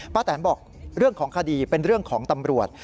แตนบอกเรื่องของคดีเป็นเรื่องของตำรวจ